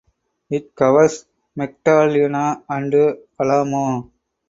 It covers Magdalena and Alamo.